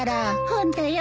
ホントよ。